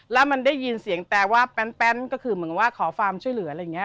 แล้วมันได้ยินเสียงแต่ว่าแป๊นก็คือเหมือนว่าขอความช่วยเหลืออะไรอย่างนี้